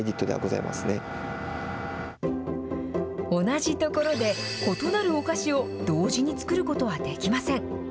同じ所で異なるお菓子を同時に作ることはできません。